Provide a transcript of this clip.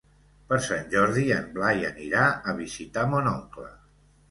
Per Sant Jordi en Blai anirà a visitar mon oncle.